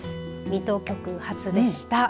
水戸局、初でした。